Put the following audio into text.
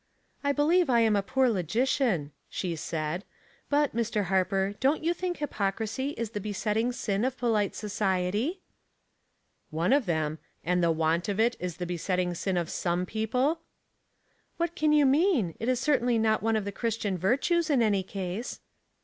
"I believe I am a poor logician," she said. "But, Mr. Harper, don't you think hypocrisy is the besetting sin of polite society ?"*' One of them ; and the want of it is the be setting sin of some people ?"" What can you mean ? It is certainly not one of the Christian virtues in any case."